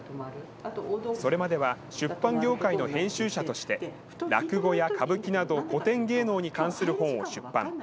それまでは出版業界の編集者として、落語や歌舞伎など、古典芸能に関する本を出版。